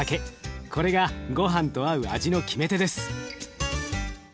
これがごはんと合う味の決め手です。